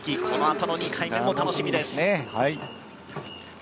このあとの２回目も楽しみです。